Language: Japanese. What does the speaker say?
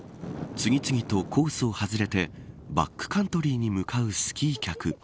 次々とコースを外れてバックカントリーに向かうスキー客。